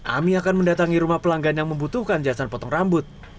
ami akan mendatangi rumah pelanggan yang membutuhkan jasa potong rambut